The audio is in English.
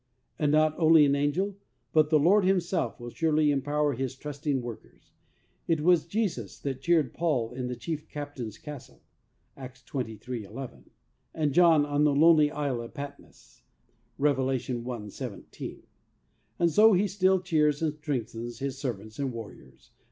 And not only an angel, but the Lord Himself will surely empower His trusting workers. It was Jesus that cheered Paul in the chief captain's castle (Acts 23: 11), and John on the lonely Isle of Pat mos (Rev. i: 17), and so He still cheers and strengthens His servants and warriors.